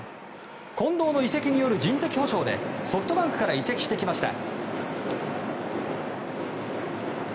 近藤の移籍による人的補償でソフトバンクから移籍してきました。